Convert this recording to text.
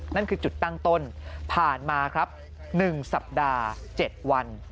นั่นคือจุดตั้งต้นผ่านมาครับ๑สัปดาห์๗วัน